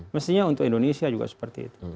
mestinya untuk indonesia juga seperti itu